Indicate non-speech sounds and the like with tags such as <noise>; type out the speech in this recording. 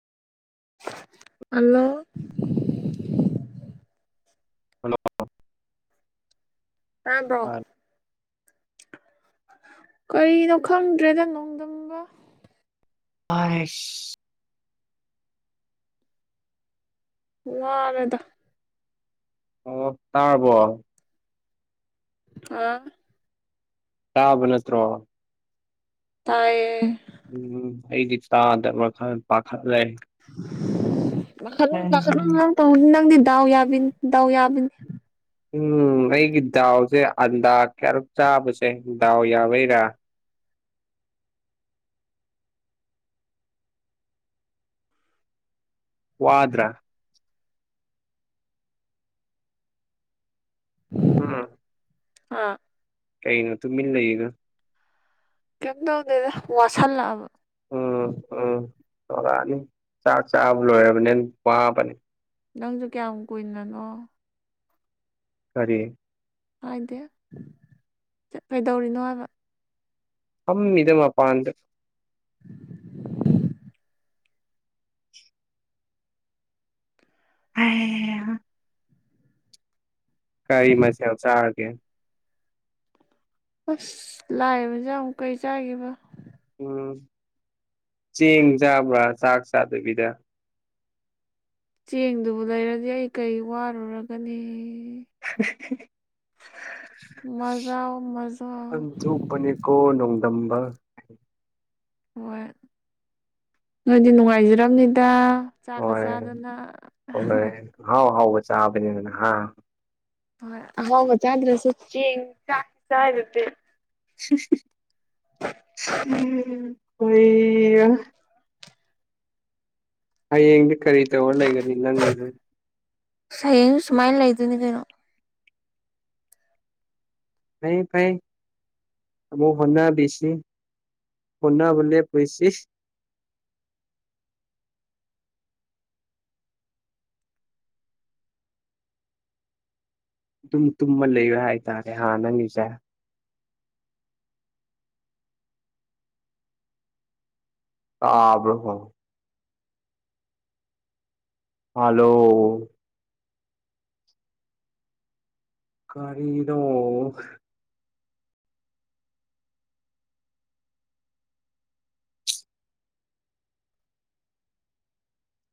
hello hello ꯇꯥꯕ꯭ꯔꯣ ꯀꯔꯤꯅꯣ ꯈꯪꯗ꯭ꯔꯦꯗ ꯅꯣꯡꯗꯝꯪꯒ ꯐꯁ ꯋꯥꯔꯦꯗ ꯑꯣ ꯇꯥꯔꯥꯕꯣ ꯑꯥ ꯇꯕ ꯅꯠꯇ꯭ꯔꯣ ꯇꯥꯏꯌꯦ ꯎꯝ ꯑꯩꯗꯤ ꯇꯥꯗꯔꯕꯥ ꯄꯈꯌ <unintelligible> ꯗꯗꯥꯎ ꯌꯥꯕꯤꯤꯟ ꯗꯗꯥꯎ ꯌꯥꯕꯤꯟ ꯎꯝ ꯑꯩꯒꯤ ꯗꯥꯎꯁꯦ ꯑꯟꯗꯥ ꯀꯌꯥꯔꯨꯛ ꯆꯥꯕꯁꯦ ꯗꯥꯎ ꯌꯥꯕꯩꯔꯥ ꯋꯥꯗ꯭ꯔꯥ ꯑꯝ ꯑꯥ ꯀꯩꯩꯅ ꯇꯨ ꯃꯤꯜ ꯂꯩꯏꯒ ꯀꯝꯗꯗ ꯋꯥꯁꯂꯕ ꯎꯝ ꯎꯝ ꯇꯔꯛꯑꯅꯤ ꯆꯥꯛ ꯆꯥꯕ ꯂꯣꯏꯔꯕꯅꯤ ꯋꯥꯕꯅꯤ ꯅꯪꯁꯨ ꯀꯌꯥꯝ ꯀꯨꯏꯅꯅꯣ ꯀꯔꯤ ꯍꯥꯏꯗꯦ ꯀꯩꯗꯧꯔꯤꯅꯣ ꯍꯥꯏꯕ ꯑꯝ ꯏꯗ ꯃꯥ ꯄꯥꯟꯗ ꯍꯥꯏ ꯀꯔꯤ ꯃꯁꯦꯜ ꯆꯥꯔꯒꯦ ꯑꯁ ꯂꯥꯏꯕꯁꯦ ꯑꯃꯨꯛ ꯀꯩ ꯆꯥꯈꯤꯕ ꯎꯝ ꯆꯦꯡ ꯆꯥꯕ꯭ꯔꯥ ꯆꯥꯛ ꯆꯥꯗꯕꯤꯗ ꯆꯦꯡꯗꯨꯕꯨ ꯂꯩꯔꯗꯤ ꯑꯩ ꯀꯩ ꯋꯥꯔꯨꯔꯒꯅꯤ <unintelligible> ꯃꯖꯥꯎ ꯃꯖꯥꯎ ꯑꯟꯊꯄꯅꯤ ꯀꯣ ꯅꯣꯡꯗꯝꯝꯕ <unintelligible> ꯍꯣꯏ ꯅꯣꯏꯗꯤ ꯅꯨꯡꯉꯥꯏꯖꯔꯝꯅꯤꯗ ꯆꯥꯛꯀ ꯍꯣꯏ ꯆꯥꯗꯅ ꯍꯣꯏꯣꯏ ꯍꯥꯎ ꯍꯥꯎꯕ ꯆꯥꯕꯅꯤꯅ ꯅꯍꯥ ꯍ ꯍ ꯆꯗ꯭ꯔꯁꯨꯆ ꯆ ꯆꯔꯦ ꯑꯩꯏ ꯑꯩ ꯌꯦꯡꯗꯤ ꯀꯔꯤꯇꯦ ꯑꯣꯂ ꯂꯩꯒꯅꯤ ꯅꯪꯗ ꯁꯌꯦꯡ ꯁꯨꯃꯥꯏꯅ ꯂꯩꯗꯣꯏꯅꯤ ꯀꯩꯅꯣ ꯐ ꯐꯩ ꯃꯨ ꯍꯣꯅꯥ ꯁꯤ ꯍꯣꯅꯥꯕꯨ ꯀꯣꯏꯁꯤ <unintelligible> ꯑꯗꯨꯨꯝ ꯇꯨꯝꯃ ꯂꯩꯕꯦ ꯍꯥꯏꯇꯥꯔꯦ ꯍꯥ ꯅꯪꯁꯦ ꯑꯥꯕ꯭ꯔꯣꯍꯣ ꯍꯂꯣ ꯀꯔꯤꯗꯣ